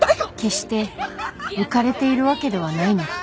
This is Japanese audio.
決して浮かれているわけではないのだ